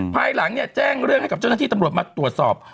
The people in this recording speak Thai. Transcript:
ภายหลังเนี่ยแจ้งเรื่องให้กับเจ้าหน้าที่ตำรวจมาตรวจสอบ